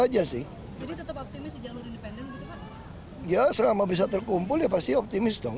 ya selama bisa terkumpul ya pasti optimis dong